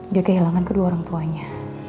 dia kehilangan kedua orang tuanya